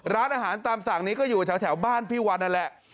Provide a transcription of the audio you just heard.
ร้านอาหารตามสั่งนี้ก็อยู่แถวบ้านพี่วันนั่นแหละ